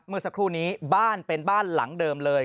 เมื่อสักครู่นี้บ้านเป็นบ้านหลังเดิมเลย